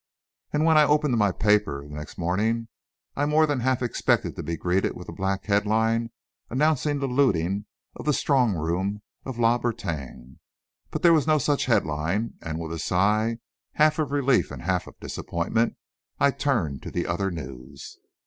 And when I opened my paper next morning, I more than half expected to be greeted with a black headline announcing the looting of the strong room of La Bretagne. But there was no such headline, and with a sigh, half of relief and half of disappointment, I turned to the other news.